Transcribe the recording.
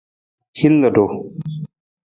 Hin ludu.